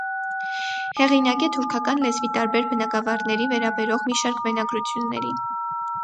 Հեղինակ է թուրքական լեզվի տարբեր բնագավառներին վերաբերող մի շարք մենագրությունների։